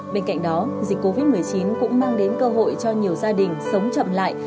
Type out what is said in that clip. bên cạnh đó dịch covid một mươi chín cũng mang đến cơ hội cho nhiều gia đình sống chậm lại